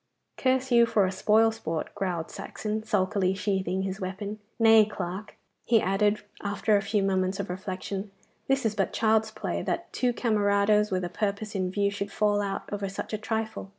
'Curse you for a spoil sport!' growled Saxon, sulkily sheathing his weapon. 'Nay, Clarke,' he added, after a few moments of reflection, 'this is but child's play, that two camarados with a purpose in view should fall out over such a trifle.